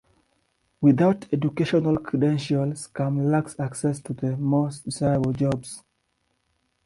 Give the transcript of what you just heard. Without educational credentials Kham lack access to the more desirable jobs.